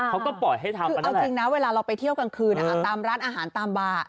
เอาจริงนะเวลาเราไปเที่ยวกลางคืนตามร้านอาหารตามบาร์